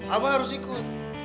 abah harus ikut